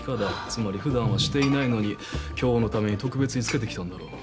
つまり普段はしていないのに今日のために特別につけてきたんだろう。